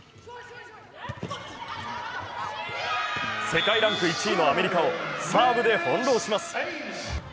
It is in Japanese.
世界ランク１位のアメリカをサーブで翻弄します。